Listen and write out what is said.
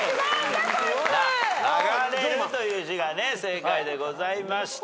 「流れる」という字が正解でございました。